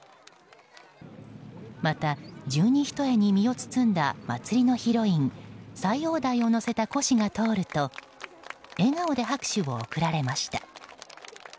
また、十二単に身を包んだ祭りのヒロイン斎王代を乗せたこしが通ると笑顔で拍手を送られました。